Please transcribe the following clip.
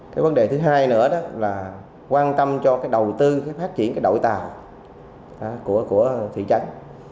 cái vấn đề thứ hai nữa đó là quan tâm cho cái đầu tư phát triển cái đội tàu của thị trấn